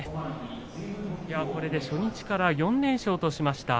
これで初日から４連勝としました。